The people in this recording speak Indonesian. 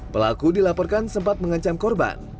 pelaku dilaporkan sempat mengancam korban